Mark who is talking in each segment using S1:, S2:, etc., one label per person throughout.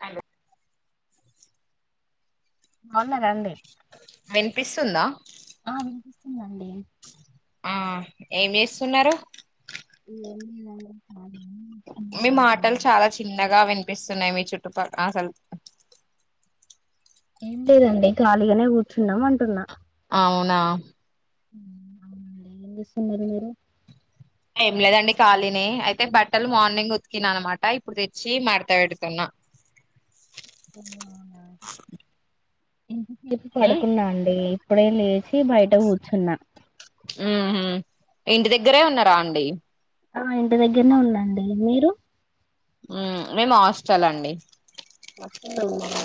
S1: Hello
S2: బాగున్నరా అండి
S1: వినిపిస్తుందా
S2: [inaudible] దండి
S1: ఆ ఏం చేస్తున్నారు.
S2: [inaudible]
S1: మీ మాటలు చాలా చిన్నగా వినిపిస్తున్నాయి మీ చుట్టుపక్ ఆ అసల్
S2: ఏం లేదండి ఖాళీగనే కూర్చున్నం అంటున్నా.
S1: అవునా
S2: అవునండి ఏం చేస్తున్నరు మీరు.
S1: ఏం లేదండి ఖాళీనే అయితే బట్టలు మార్నింగ్ ఉతికినా అనమాటా ఇప్పుడు తెచ్చీ మడత పెడుతున్నా.
S2: ఓహో అవునా ఇంతసేపు
S1: ఉమ్
S2: పడుకున్నా అండీ ఇప్పుడే లే చి బయట కూర్చున్నా
S1: ఊహ్ము ఇంటి దగ్గరే ఉన్నరా అండి.
S2: ఆ ఇంటి దగ్గర్నే ఉన్నా అండి మీరూ.
S1: ఊ మేము హాస్టల్ అండి.
S2: హాస్టల్లో ఉన్నారా.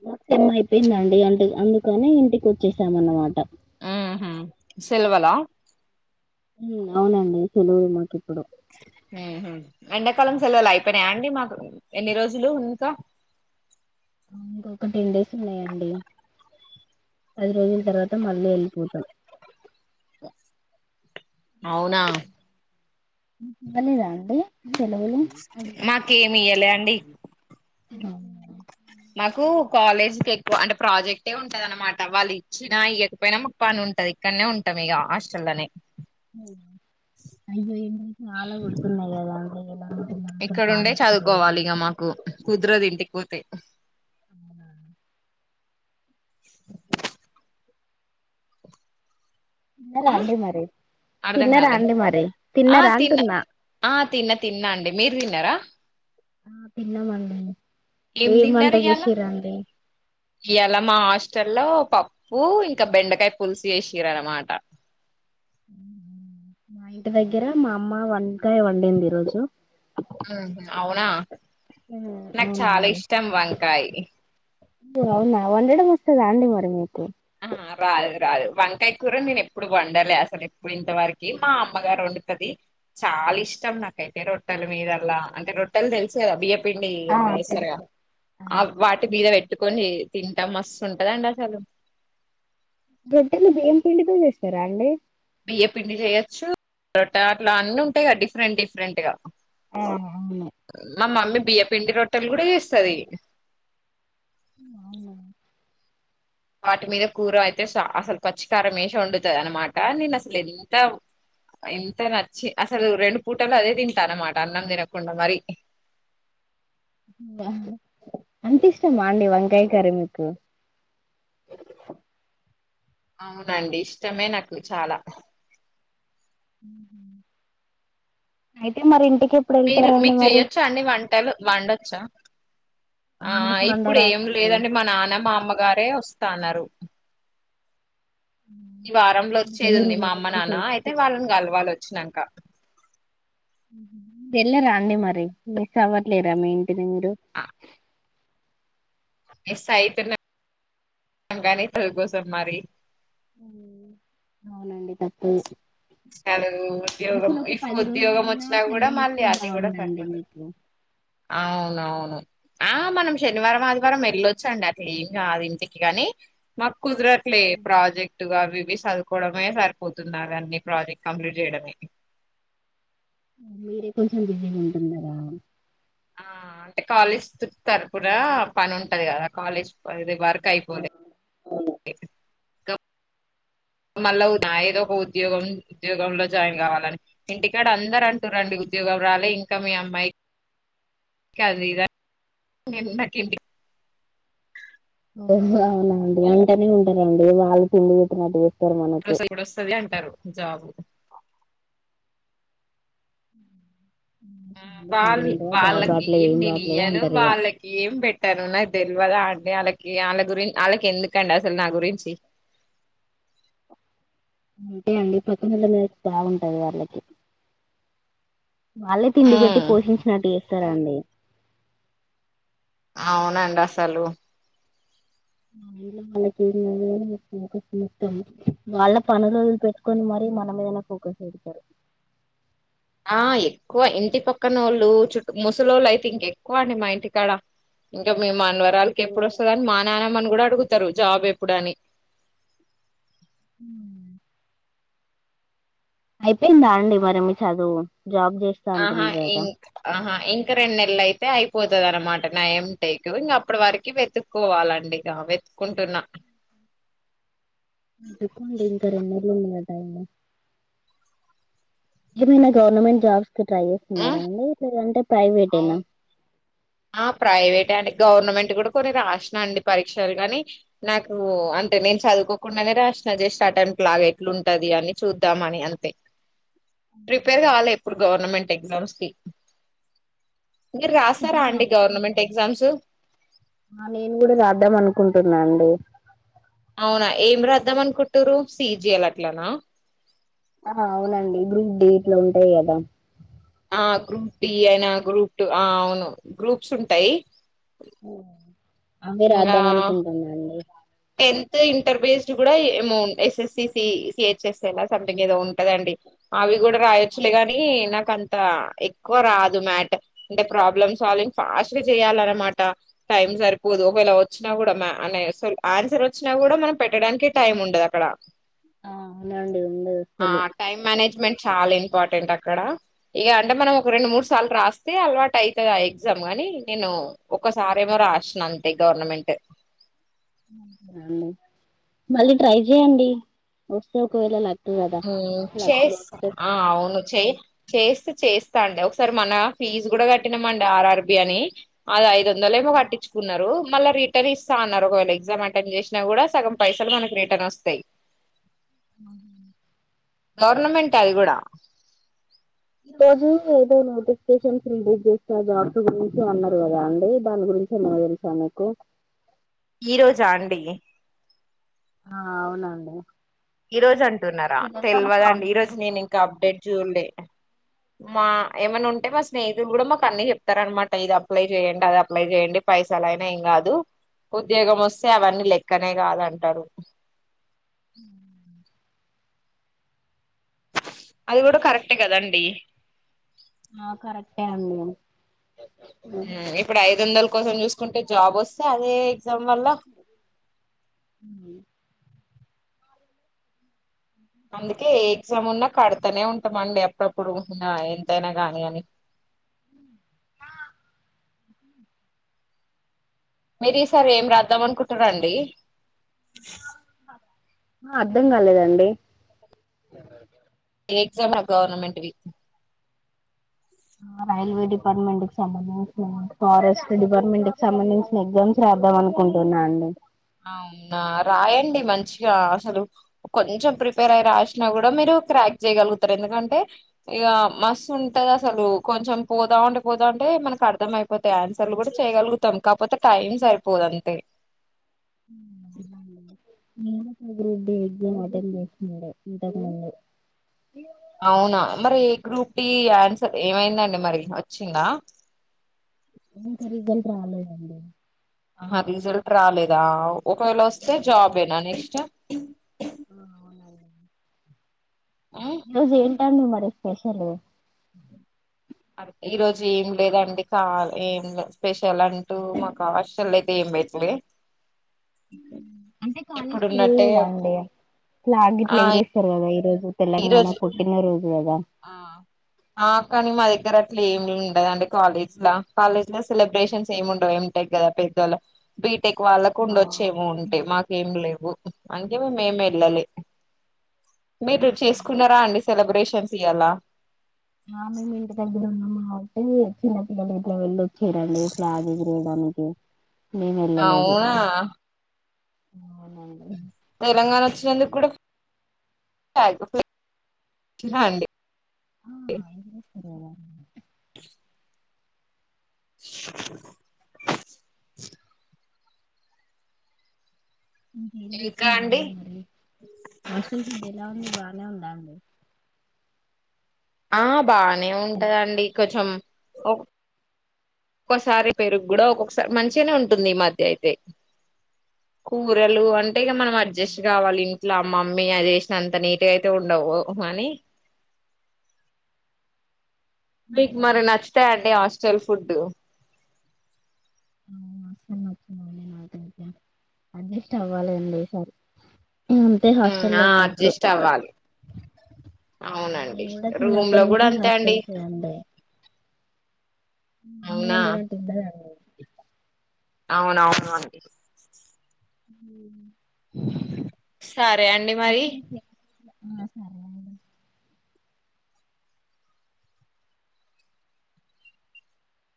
S2: ఫోర్త్ సెమ్ అయిపోయిందండి అంటె అందుకనే ఇంటికి వచ్చేసాం అన్నమాట.
S1: ఊహ్ము సెలవలా.
S2: ఊ అవునండి సేలవలు మాకు ఇప్పుడు
S1: ఊహ్ము ఎండాకాలం సెలవలు అయిపోనయా అండి మాకు ఎన్ని రోజులు ఇంకా.
S2: ఔను ఇంకొక టెన్ డేస్ ఉన్నాయండి. పది రోజుల్ తర్వాత మళ్ళీ ఎళ్ళిపోతా.
S1: అవునా
S2: మీకు ఇవ్వలేదా అండి. సెలవులు
S1: మాకేమి ఇయ్యలే అండి మాకూ కాలేజ్కి ఎక్కువ అంటే ప్రాజెక్టే ఉంటది అనమాట వాళ్ళు ఇచ్చినా ఇయ్యకపోయినా మాకు పని ఉం టది ఇక్కడ్నే ఉంటాం ఇగా హాస్టల్ల్లోనే.
S2: [unintelligible] చాలా కొడుతున్నాయి గదా అండి. ఎలా వెళ్తున్నారు అసలు
S1: ఇక్కడ ఉండే
S2: కాలేజ్కి రోజు
S1: చదువుకోవాలి ఇగా మాకు కుదరదు ఇంటిక్ పోతే.
S2: స తిన్నరా అండి మరీ
S1: అర్ధం
S2: తిన్నరా
S1: కాలే
S2: అండి మరి
S1: ఆ
S2: తిన్నరా
S1: తిన్న
S2: అంటున్నా.
S1: ఆ తిన్న తిన్నా అండి మీరు తిన్నరా.
S2: ఆ తిన్నామండీ ఏమ్ వంట చేశిర్రు అండి.
S1: ఇయ్యాలా మా హాస్టల్లో పప్పూ ఇంకా బెండకాయ పుల్సు చేశిర్ర్ అనమాట.
S2: మా ఇంటి దగ్గర మా అమ్మ వంకాయ వండింది ఈ రోజు
S1: అవునా నాకు చాలా ఇష్టం వంకాయి
S2: అ అవునా వండడం వస్తదా అండి మరి మీకు
S1: హా రాదు రాదు వంకాయ కూర నేను ఎప్పుడు వండలె అసలు ఎప్పుడు ఇంతవరకి మా అమ్మగారు వండ్ టది చాలా ఇష్టం నాకైతే రొట్టెల మీదల్ల అంటే రొట్టెలు తెలుసుకదా బియ్యం పిండి
S2: ఆ
S1: ఏమో ఏస్తరుగా
S2: తెలుసు
S1: ఆ వాటి మీద పెట్టి పెట్టు కొని తింటం మస్తు ఉంటదండి అసలు
S2: రొట్టెలు బియ్యం పిండితో చేస్తారా అండి
S1: బియ్యం పిండి చేయొచ్చు రొట్టె అట్లా అన్నీ ఉంటాయి గా డిఫరెంట్ డిఫరెంట్ గా
S2: ఆ అవును
S1: మా మమ్మీ బియ్య పిండి రొట్టెలు కూడా చేస్తది
S2: అవునా
S1: వాటి మీద కూర అయితే స అసలు పచ్చికారం వేసే వండుతది అన్నమాట నేను అసలు ఎంత ఇంత నచ్చి అసలు రెండు పూటల అదే తింటా అన్నమాట అన్నం తినకుండా మరి
S2: అంతిష్టమా అండి వంకాయ కర్రీ మీకు
S1: [inaudible] అవునండి ఇష్టమే నాకు చాలా
S2: అయితే మరి ఏంటి
S1: మీరు మీకు చెయొచ్చా అండి వంటలు వండొచ్చా ఆ
S2: నాకు వంట
S1: ఇప్పుడు ఏం
S2: రాదండి
S1: లేదండి మా నాన్న మా అమ్మగారే వస్తాన్నారు ఈ వారంలో
S2: ఓకే
S1: వచ్చేది
S2: మీరు
S1: ఉంది
S2: ఉన్న
S1: మా అమ్మ
S2: దగ్గరికి
S1: నాన్న
S2: వచ్చి
S1: అయితే
S2: చూస్తారా
S1: వాళ్ళని కలవాలి వచ్చినాక
S2: వెళ్ళరా అండి మరి మిస్ అవ్వట్లేదా మీ ఇంటిని మీరు
S1: మిస్ అయితున్నాం గాని చదువు కోసం మరి
S2: అవునండి తప్పే
S1: చాలదు ఉద్యోగం ఇప్పుడు
S2: పది
S1: ఉద్యోగం
S2: రోజులయినా
S1: వచ్చినా కూడా
S2: సెలవులు
S1: మళ్ళీ
S2: ఇస్తే
S1: అది కూడా
S2: బాగుండండి
S1: సరిపోదు
S2: మీకు
S1: అవునవును ఆ మనం శనివారం ఆదివారం వెళ్ళొచ్చు అండి అట్లు ఏం కాదు ఇంటికి కాని మాక్ కుదరట్లే
S2: హుహు.
S1: ప్రాజెక్టుగా అవి ఇవి చదువుకోవడమే సరిపోతున్నావన్నీ ప్రాజెక్ట్ కంప్లీట్ చేయడమే
S2: మీరే కొంచెం బిజీగా ఉంటున్నారా
S1: ఆ అంటే కాలేజ్ తరుపున పని ఉంటది కదా కాలేజ్ పని వర్కయిపోలే మళ్ళా ఏదో ఒక ఉద్యోగం ఉద్యోగంలో జాయిన్ కావాలని ఇంటికాడ అందరు అంటూరండి ఉద్యోగం రాలే ఇంకా మీ అమ్మాయికి కానీ అది ఇదని నిన్న ఒక ఇంట్లో
S2: అవునా అండి అంటనే ఉంటరండి వాళ్ళే తిండి పెట్టినట్టు చేస్తారు మనకు
S1: అసలు ఎప్పుడు వస్తుది అంటారు జాబు
S2: ని
S1: వాళ్ళు వాళ్ళకి ఏం నేను ఇయ్యను
S2: అంటారు ఇగ
S1: వాళ్ళకి ఏం పెట్టను నాకు తెలివదా అండి వాళ్ళకి ఆళ్ళ గురి ఆళ్ళకి ఎందుకండి అసలు నా గురించి
S2: ఉంటే అండి పక్కనోల మీద బాగుంటాయి వాళ్ళకి వాళ్ళే తిండి పెట్టి
S1: ఉమ్
S2: పోషించినట్టు చేస్తారండి
S1: అవునండి అసలు
S2: అందులో వాళ్ళకి [unintelligible] వాళ్ళ పనులు వదులు పెట్టుకొని మరి మన మీదనే ఫోకస్ చేస్తరు
S1: ఆ ఎక్కువ ఇంటి పక్కనోళ్ళు చుట్ ముసలోళ్ళు అయితే ఇంక ఎక్కువ అండి మా ఇంటికాడ ఇంకా మేమ్ మన్వరాలకి ఎప్పుడోస్తది అని మా నాన్నమ్మని కుడా అడుగుతరు జాబ్ ఎప్పుడని
S2: హ అయిపోయిందా అండి మరి మీ చదువు జాబ్ చేస్తా
S1: ఆహా
S2: అంటున్నారు కదా
S1: ఇంక్ ఆహా ఇంకా రెండ్నెలయితే అయి పోతదనమాట నా ఏమ్ టేక్కు ఇగ అప్పటి వరకి వెతుక్కోవాలండి జాబ్ వెతుక్కుంటున్నా
S2: [unintelligible] ఇంకా రెండ్నెళ్ళు ఉందిగా టైము ఈ నెల గవర్నమెంట్ జాబ్ ట్రై చేస్తున్నారా అండి లేదంటే
S1: అవు
S2: ప్రైవేటేనా
S1: ఆ ప్రైవేటే అండి గవర్నమెంట్ కుడా కొన్ని రాసిన అండి పరీక్షలు కానీ నాకు అంటే నేన్ చదుకోకుండనే రాసిన జస్ట్ ఆటెమ్ట్ లాగ ఎట్లుంటది అని చూద్దాం అని అంతే ప్రిపేర్ కాలే ఎప్పుడు గవర్నమెంట్ ఎగ్జామ్స్ కి రాస్తారా అండి గవర్నమెంట్ ఎగ్జామ్స్
S2: ఆ నేను గుడా రాద్దాం అనుకుంటున్న డి
S1: అవునా ఏం రాద్దాం అనుకుంటురు పిజెలట్లనా
S2: ఆహా అవునండి గ్రూప్ డి ఇట్లా ఉంటయి కదా
S1: ఆ గ్రూప్ డి అయినా గ్రూప్ టూ ఆ అవును గ్రూప్స్ ఉంటయి
S2: అందుకే రాద్దాం అనుకుంటున్నా అండి.
S1: టెన్త్ ఇంటర్ బేస్డ్ గుడా ఏమో S S C, C H S ఎలా సమ్థింగ్ ఏదో ఉంటదండి. అవి గుడా రాయొచ్చులే గనీ నాకు అం అంత ఎక్కువ రాదు మ్యాటర్ అంటే ప్రాబ్లమ్ సాల్వింగ్ ఫాస్ట్ గా చేయాలనమాట టైమ్ సరిపోదు ఒకవేళ వచ్చినా గుడా అనే ఆన్సర్ వచ్చినా గుడా మనం పెట్టడానికె టైం ఉండదు అక్కడ
S2: ఆ అవునండి ఉంది
S1: ఆ
S2: అసలు
S1: టైమ్ మనేజ్మెంట్ చాలా ఇంపార్టెంట్ అక్కడ ఇగ అంటే మనం ఒక రెండు మూడు సార్లు రాస్తే అలవాటయితదాయి ఆ ఎగ్జామ్ కనీ నేను ఒకసారేమో రాసిన అంతే గవర్నమెంట్
S2: అవునా అండి మళ్ళీ ట్రై చేయండి వస్తే ఒకవేళ లా
S1: మ్మ్ చెస్ ఆ అవును చెయ్ చేస్తే చేస్తా అండి ఒక్సారి మన ఫీజు గుడా కట్టినం మండి ఆర్ ఆర్ బి అని అది ఐదు వందలేమో కట్టించుకున్నరు మళ్ళా రిటర్న్ ఇస్తా అన్నరు ఒకవేళ ఎగ్జామ్ అటెండ్ చేసినా గుడా సగం పైసల్ మనక్ రిటర్న్ వస్తయి.
S2: ఆ
S1: గవర్నమెంటే అది కుడా
S2: ఈ రోజు ఏదో నోటిఫికేషన్స్ రిలీజ్ చేస్తా జాబ్స్ గురించి అన్నరు కదా అండి దాని గురిం చి తెలుసా మీకు
S1: ఈ రోజా అండి
S2: ఆ అవునండి
S1: ఈ రోజు అంటున్నారా
S2: తెలంగాణ
S1: తెలివాద్ అండి ఈ
S2: ఫార్మేషన్
S1: రోజు నేను ఇంకా అప్డేట్ చూడ్లే మా ఏమన్నా ఉంటే మా స్నేహితులు కూడా మాకు అన్ని చెప్తార అనమాట ఇది అప్లై చేయండి అది అప్లై చెయండి. పైసాలయినా ఏం గాదు ఉద్యోగం వస్తే అవన్నీ లెక్కనే కాదంటడు.
S2: ఆ
S1: అది కూడా కరెక్టే కదాండి.
S2: ఆ కరెక్టే అండి.
S1: ఇప్పుడు ఐదు వందల కోసం చూసుకుంటే జాబ్ వస్తే అదే. జం వల్ల అందుకే ఏ ఎగ్జామ్ ఉన్నా కడతనే ఉంటామండి అప్పుడప్పుడు ఇగ ఎంతైనా గాని అని.
S2: మా
S1: మీరు ఈ సారి ఏం రాద్దాం అనుకుంటారండి.
S2: ఆ అర్ధం కాలేదండి.
S1: ఏ ఎగ్జామ్ రావ్ గవర్నమెంట్ వి.
S2: ఆ రైల్వే డిపార్ట్మెంట్ కి సంబంధించిన ఫారెస్ట్ డిపార్ట్మెంట్ కి సంబంధించిన ఎగ్జామ్స్ ర ద్దమనుకుంటున్నా అండి.
S1: అవునా రాయండి మంచిగా అసలు కొంచెం ప్రిపేర్ అయి రాసినా కూడా మీరు క్రాక్ చేయగలుగుతారు ఎందుకంటే ఇగ మస్ ఉంటది అసలు కొంచెం పోదా ఉంటే పోత ఉంటే అంటే మనకు అర్థం అయిపోతయి ఆన్సర్లు కూడా చేయగలుగుతాం కాకపోతే టైమ్ సరిపోదు అంతే. ఉ
S2: నేను గ్రూప్ డి ఎగ్జామ్ అటెండ్ చేసిండే ఇంతకుముందు
S1: అవునా మరి ఏ గ్రూప్ డి ఆన్సర్ ఏమైందండి మరి వచ్చిందా
S2: ఇంక రిజల్ట్ రాలేదండి.
S1: ఆహా రిజల్ట్ రాలేదా ఒకవేళ వస్తే జాబెనా నెక్స్ట్.
S2: ఆ, అవునండి. ఈ రోజు ఏంటండి మరి స్పెషల్ ఉ
S1: అ ఈ రోజు ఏం లేదండి కాల్ ఏం లే స్పెషల్ అంటూ మాకు హాస్టల్ ఐతే ఏం బెట్లే
S2: అంటే కాలేజ్కిలలేదా అండి ఫ్లాగ్
S1: ఆ
S2: గిట్లా ఎయిరేస్తారు కదా. రోజు తెలంగాణ
S1: ఈరోజు
S2: పుట్టిన రోజు కదా.
S1: ఆ ఆ కానీ మా దగ్గర అట్లా ఏమి ఉండదు అండి కాలేజ్ ల కాలేజ్ ల సెలబ్రేషన్స్ ఏమి ఉండవు ఏ ఏ గల పెద్దల బీటెక్ వాళ్ళకు
S2: ఆ
S1: ఉండొచ్చేమో
S2: అవును.
S1: ఉంటాయి మాకేం లేవు. ఉ అందుకే మేము ఏం వెళ్ళలే మీరు చేసుకున్నారా అండి సెలబ్రేషన్స్ తియాలా
S2: ఆ మేం ఇంటి దగ్గర వున్నం ఆగు ఇది చిన్నపిల్లలు ఇట్ల వెళ్ళొచ్చారండి ఇలా ఫ్లాగ్ ఎగిరయడానికి. నేను వెళ్ళలేదు
S1: అవునా
S2: అవునండి.
S1: తెలంగాణ వచ్చినందుకు కూడా [unintelligible] అండి ఎ
S2: మీరేవరండీ ఇక ఏం
S1: ఇంకా అండి
S2: జేస్తున్నారండి మరి హాస్టల్ ఫుడ్ ఎలా ఉంది బానే ఉందా అండి.
S1: ఆ బానే ఉంటదండి కొంచెం ఒ ఒక్కసారి పెరుగు కూడా ఒక్కొక్కసారి మంచిగనే ఉంటుంది ఈ మధ్య అయితే. కూరలు అంటే ఇక మనం అడ్జస్ట్ కావాలి ఇట్లా మమ్మీ అది చేసినంత నీట్ అయితే ఉండవు అని మీకు
S2: ఉమ్,
S1: మరి నచ్చుతాయి అండి హాస్టల్ ఫుడ్
S2: ఆ అస్సలు నచ్చలేదండి నాకైతే అడ్జస్ట్ అవ్వాలండి ఈసారి అంతే హాస్టల్ల్లో
S1: ఆ
S2: ఉన్నప్పుడు
S1: అడ్జస్ట్ అవ్వాలి అవునండి
S2: నిను కూడా
S1: రూమ్ లో
S2: చిన్నప్పటి
S1: కూడా
S2: నుంచి
S1: అంతే అండి
S2: హాస్టల్ సే అండి ఈ
S1: అవునా
S2: వండన అంటే ఇబ్బరము
S1: అవునవును అండి
S2: హ
S1: సరే అండి మరి
S2: అ సరే అండి